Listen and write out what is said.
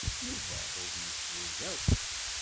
Yuba ur d-yeclig akk.